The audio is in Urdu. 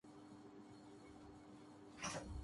آسمانوں کا رنگ کیسے بدل چکا ہے۔